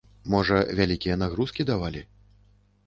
Можа, вялікія нагрузкі давалі?